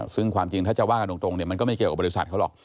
ซึ่งความจริงถ้าจะว่ากันตรงเนี่ยมันก็ไม่เกี่ยวกับบริษัทเขาหรอก